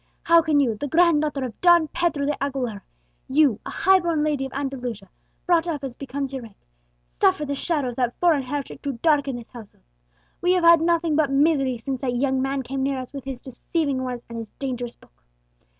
How can you the grand daughter of Don Pedro de Aguilera you, a high born lady of Andalusia, brought up as becomes your rank suffer the shadow of that foreign heretic to darken this threshold! We have had nothing but misery since that young man came near us with his deceiving words and his dangerous book!